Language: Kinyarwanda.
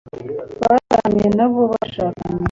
batanye na bo bashakanye